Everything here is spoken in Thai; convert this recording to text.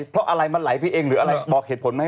เพราะอะไรมันไหลไปเองหรืออะไรบอกเหตุผลไหม